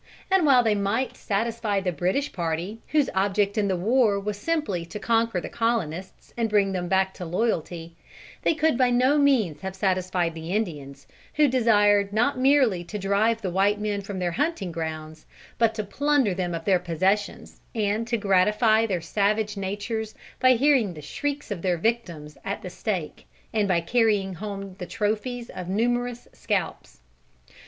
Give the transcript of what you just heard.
And while they might satisfy the British party, whose object in the war was simply to conquer the colonists and bring them back to loyalty, they could by no means have satisfied the Indians, who desired not merely to drive the white men back from their hunting grounds, but to plunder them of their possessions and to gratify their savage natures by hearing the shrieks of their victims at the stake and by carrying home the trophies of numerous scalps.